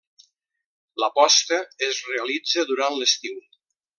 La posta es realitza durant l'estiu.